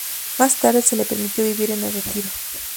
Más tarde se le permitió vivir en el retiro.